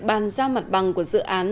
bàn giao mặt bằng của dự án